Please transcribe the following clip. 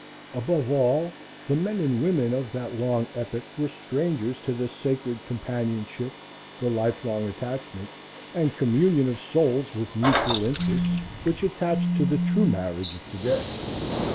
Above all, the men and women of that long epoch were strangers to the sacred companionship, the life long attachment and communion of souls with mutual interests which attach to the true marriage of to day.